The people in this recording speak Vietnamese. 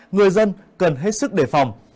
người dân cần hết sức đề phòng